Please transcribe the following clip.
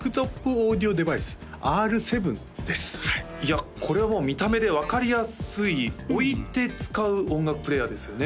こちらいやこれはもう見た目で分かりやすい置いて使う音楽プレーヤーですよね